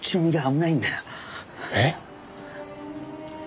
えっ？